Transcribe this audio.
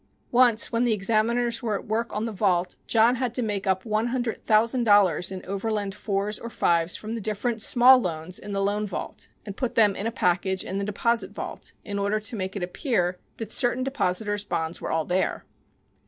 Once, when the examiners were at work on the vault, John had to make up one hundred thousand dollars in Overland 4s or 5s from the different small loans in the loan vault and put them in a package in the deposit vault in order to make it appear that certain depositors' bonds were all there.